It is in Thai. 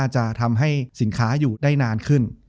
จบการโรงแรมจบการโรงแรม